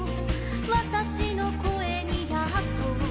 「わたしの声にやっと」